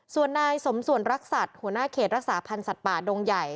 ส่วนนายสมส่วนรักษัตริย์หัวหน้าเขตรักษาพันธ์สัตว์ป่าดงใหญ่